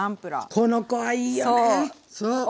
この子はいいよね！